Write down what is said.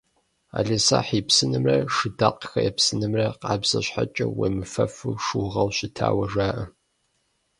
«ӏэлисахь и псынэмрэ» «Шыдакъхэ я псынэмрэ» къабзэ щхьэкӏэ, уемыфэфу шыугъэу щытауэ жаӏэ.